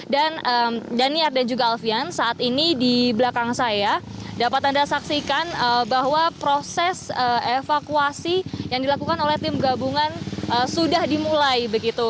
dan daniar dan juga alfian saat ini di belakang saya dapat anda saksikan bahwa proses evakuasi yang dilakukan oleh tim gabungan sudah dimulai